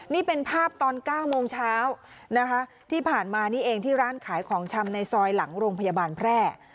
นี่เป็นภาพตอน๙โมงเช้านะคะที่ผ่านมานี่เองที่ร้านขายของชำในซอยหลังโรงพยาบาลแพร่